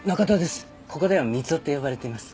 ここではミツオって呼ばれています。